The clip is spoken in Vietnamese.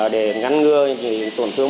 để ngăn ngừa những tổn thương